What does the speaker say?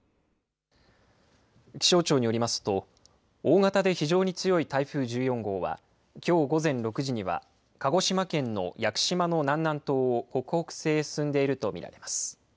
気象庁によりますと、大型で非常に強い台風１４号は、きょう午前６時には、鹿児島県の屋久島の南南東を北北西へ進んでいると見られます。